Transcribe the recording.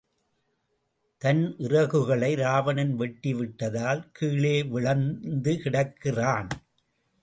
தன் இறகுகளை ராவணன் வெட்டி விட்டதால் கீழே விழுந்து கிடக்கிறான்.